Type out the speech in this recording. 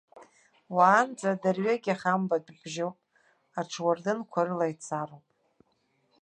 Уаанӡа дырҩегьых амбатә бжьоуп, аҽуардынқәа рыла ицароуп.